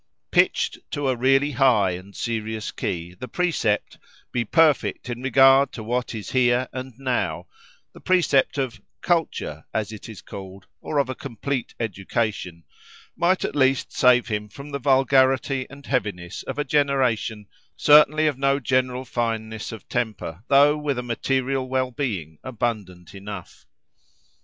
Pitched to a really high and serious key, the precept—Be perfect in regard to what is here and now: the precept of "culture," as it is called, or of a complete education—might at least save him from the vulgarity and heaviness of a generation, certainly of no general fineness of temper, though with a material well being abundant enough.